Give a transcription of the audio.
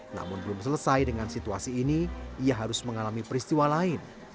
namun belum selesai dengan situasi ini ia harus mengalami peristiwa lain